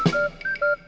saya juga ngantuk